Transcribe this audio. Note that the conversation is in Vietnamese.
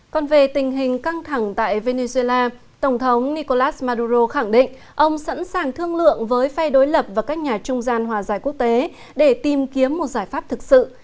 còn về tình hình căng thẳng tại venezuela tổng thống nicolás maduro khẳng định ông sẵn sàng thương lượng với phe đối lập và các nhà chính phủ